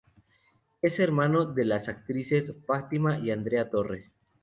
Es hermano de las actrices Fátima y Andrea Torre.